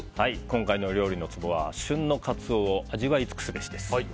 今回の料理のツボは旬なカツオを味わい尽くすべしです。